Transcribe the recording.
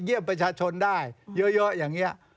เยี่ยมประชาชนได้เยอะอย่างนี้